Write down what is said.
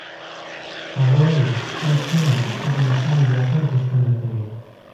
هغه ویل ښه ښه ته د مقام جعفر پوښتنه کوې.